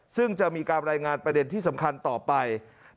ซึ่งจะมีการรายงานประเด็นที่สำคัญต่อไป